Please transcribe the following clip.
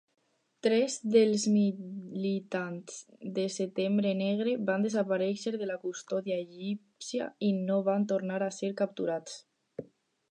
Tres dels militants de Setembre Negre van desaparèixer de la custòdia egípcia i no van tornar a ser capturats.